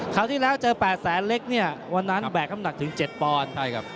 คราวที่แล้วเจอแปดแสนเหล็กเนี่ยวันนั้นแบก้ำหนักถึง๗ปอนด์